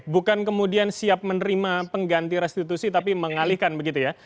bukan kemudian siap menerima pengganti restitusi tapi mengalihkan begitu ya